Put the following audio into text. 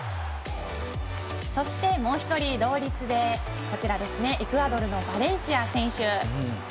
そしてもう１人、同率でエクアドルのバレンシア選手。